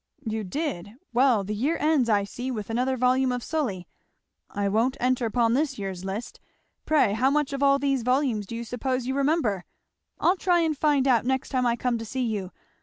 "You did! Well, the year ends, I see, with another volume of Sully. I won't enter upon this year's list. Pray how much of all these volumes do you suppose you remember? I'll try and find out, next time I come to see you.